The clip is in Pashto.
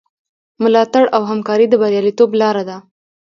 ملاتړ او همکاري د بریالیتوب لاره ده.